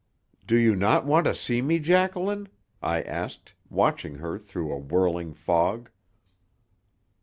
"Do you not want to see me, Jacqueline?" I asked, watching her through a whirling fog.